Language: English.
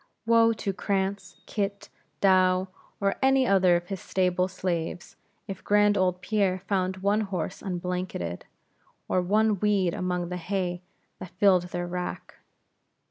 Woe to Cranz, Kit, Douw, or any other of his stable slaves, if grand old Pierre found one horse unblanketed, or one weed among the hay that filled their rack.